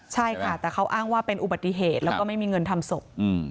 ใช่ค่ะแต่เขาอ้างว่าเป็นอุบัติเหตุแล้วก็ไม่มีเงินทำศพ